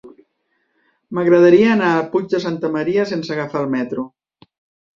M'agradaria anar al Puig de Santa Maria sense agafar el metro.